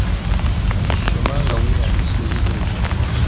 Soma nga weeyambisa ebibuuzo.